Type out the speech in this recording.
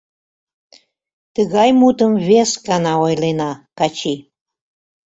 Тыгай мутым вескана ойлена, Качи...